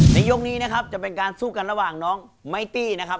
ยกนี้นะครับจะเป็นการสู้กันระหว่างน้องไมตี้นะครับ